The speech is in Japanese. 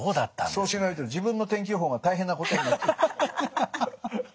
そうしないと自分の天気予報が大変なことになっちゃう。